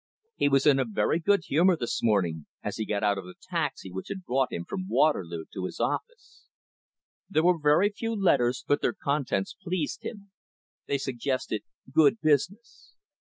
He was in a very good humour this morning, as he got out of the taxi which had brought him from Waterloo to his office. There were very few letters, but their contents pleased him; they suggested good business.